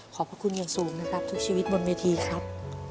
พระคุณอย่างสูงนะครับทุกชีวิตบนเวทีครับ